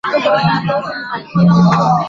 因典型的拜占庭风格而闻名于世。